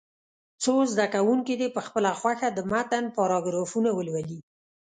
څو زده کوونکي دې په خپله خوښه د متن پاراګرافونه ولولي.